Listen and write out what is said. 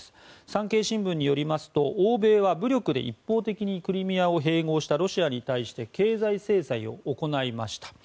産経新聞によりますと欧米は、武力で一方的にクリミアを併合したロシアに対して経済制裁を行いました。